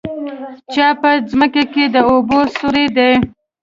څا په ځمکه کې د اوبو سوری دی